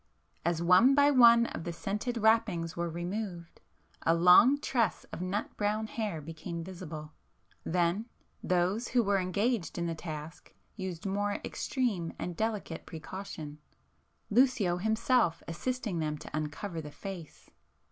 As one by one of the scented wrappings were removed, a long tress of nut brown hair became visible,—then, those who were engaged in the task, used more extreme and delicate precaution, Lucio himself assisting them to uncover the face.